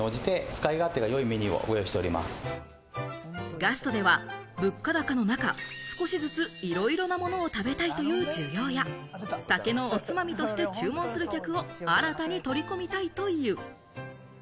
ガストでは物価高の中、少しずついろいろなものを食べたいという需要や、酒のおつまみとして注文する客を新たに取り込みたいという。